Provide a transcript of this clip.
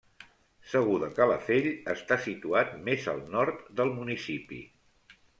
Segur de Calafell està situat més al nord del municipi.